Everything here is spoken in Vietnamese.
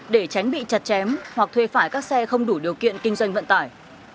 để tránh bị chặt chém hoặc thuê phải các xe không đủ điều kiện kinh doanh vận tải